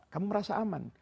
kamu merasa aman